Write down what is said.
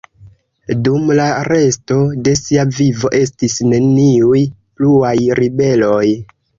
Dum la resto de sia vivo estis neniuj pluaj ribeloj.